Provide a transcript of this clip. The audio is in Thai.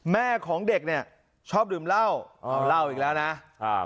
แม่ของเด็กเนี่ยชอบดื่มเหล้าอ๋อเล่าอีกแล้วนะอ่า